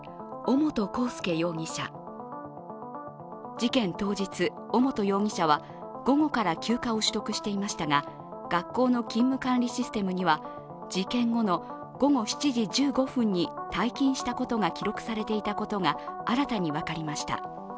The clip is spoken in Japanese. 事件当日、尾本容疑者は午後から休暇を取得していましたが、学校の勤務管理システムには事件後の午後７時１５分に退勤したことが記録されていたことが新たに分かりました。